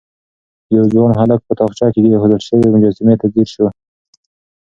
يو ځوان هلک په تاقچه کې ايښودل شوې مجسمې ته ځير شو.